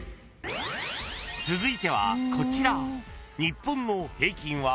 ［続いてはこちら］